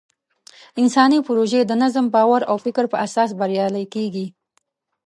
انساني پروژې د نظم، باور او فکر په اساس بریالۍ کېږي.